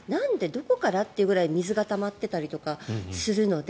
どこから？というぐらい水がたまってたりするので